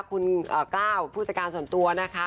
คุณกล้าวผู้จัดการส่วนตัวนะคะ